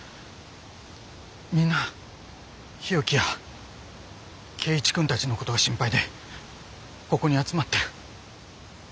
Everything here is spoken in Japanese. みんな日置や恵一くんたちのことが心配でここに集まってる。